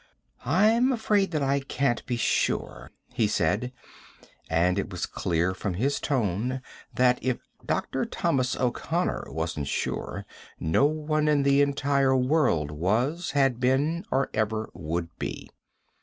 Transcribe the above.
"I'm afraid that I can't be sure," he said, and it was clear from his tone that, if Dr. Thomas O'Connor wasn't sure, no one in the entire world was, had been, or ever would be.